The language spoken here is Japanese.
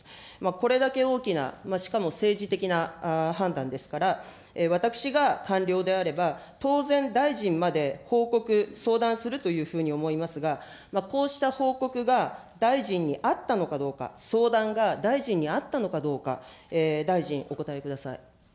これだけ大きな、しかも政治的な判断ですから、私が官僚であれば、当然、大臣まで報告、相談するというふうに思いますが、こうした報告が大臣にあったのかどうか、相談が大臣にあったのかどうか、大臣、お答えください。